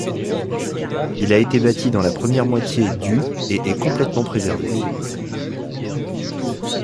Il a été bâti dans la première moitié du et est complètement préservé.